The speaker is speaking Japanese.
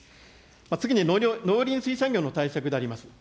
次に農林水産業の対策であります。